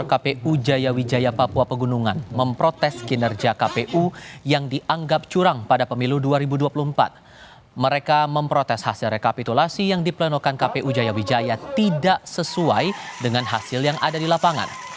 kpu jaya wijaya papua pegunungan